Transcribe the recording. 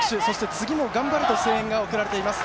次も頑張れと声援が送られています。